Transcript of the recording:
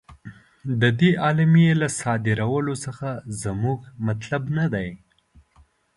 د دې اعلامیې له صادرولو څخه زموږ مطلب نه دی.